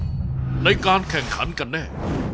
ในการแข่งขันกันแน่